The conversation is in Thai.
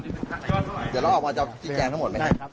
เดี๋ยวเราออกมาจะชี้แจงทั้งหมดไหมครับ